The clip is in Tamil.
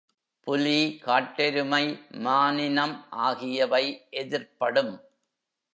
புலி, காட்டெருமை, மானினம் ஆகியவை எதிர்ப்படும்.